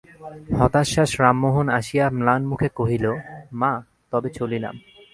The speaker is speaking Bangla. হতাশ্বাস রামমোহন আসিয়া ম্লানমুখে কহিল, মা, তবে চলিলাম।